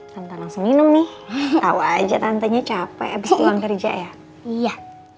langsung minum nih awal aja tantenya capek abis pulang kerja ya iya